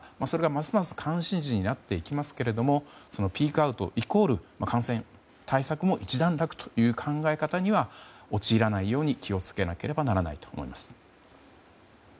それが、ますます関心事になっていきますけれどもそのピークアウトイコール感染対策も一段落という考え方には陥らないように気を付けなければならないと思います。